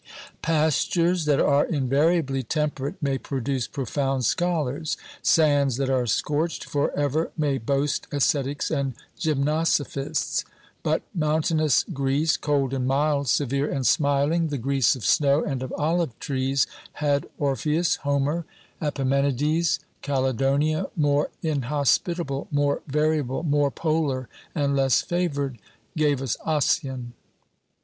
Pastures that are invariably temperate may produce profound scholars ; sands that are scorched for ever may boast ascetics and gymnosophists. But mountainous Greece, cold and mild, severe and smiling, the Greece of snow and of olive trees, had Orpheus, Homer, Epi u 3o6 OBERMANN menides ; Caledonia, more inhospitable, more variable, more polar and less favoured, gave us Ossian.